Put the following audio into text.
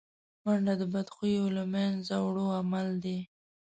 منډه د بدبویو له منځه وړو عمل دی